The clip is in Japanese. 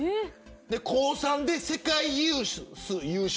高３で世界ユース優勝。